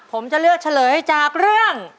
ผมจะเลือกเฉลยจากเรื่อง